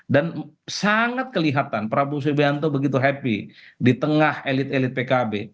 dan sangat kelihatan prabowo subianto begitu happy di tengah elit elit pkb